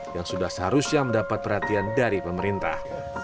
yang sudah seharusnya mendapat perhatian dari pemerintah